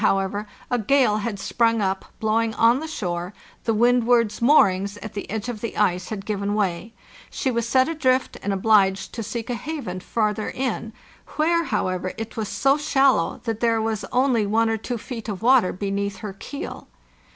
NORTH however, a gale had sprung up, blowing on the shore, the Windward's moorings at the edge of the ice had given way, she was set adrift and obliged to seek a haven farther in, where, however, it was so shallow that there was only one or two feet of water beneath her keel.